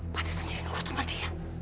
pahti sendiri mengurut sama dia